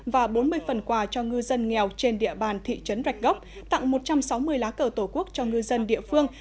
và bốn mươi phần quà cho ngư dân nghèo trên địa bàn thị trấn rạch gốc tặng một trăm sáu mươi lá cờ tổ quốc cho ngư dân địa phương